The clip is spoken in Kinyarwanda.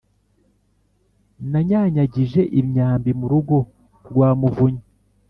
nanyanyagije imyambi mu rugo rwa muvunyi